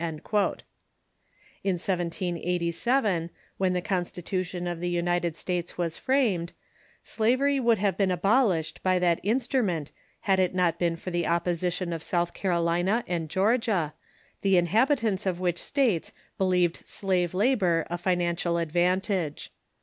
In 1787, when the Constitution of the United States was framed, slavery would have been abolished by that instrument had it not been for the opposition of South Carolina and Georgia, the inhabitants of which states believed slave labor a financial advantage.